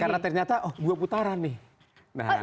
karena ternyata oh dua putaran nih